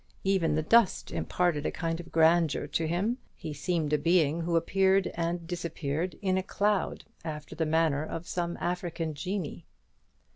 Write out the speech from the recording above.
Even the dust imparted a kind of grandeur to him. He seemed a being who appeared and disappeared in a cloud, after the manner of some African genii.